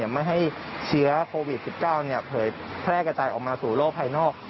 ไม่ให้เชื้อโควิด๑๙เผยแพร่กระจายออกมาสู่โลกภายนอก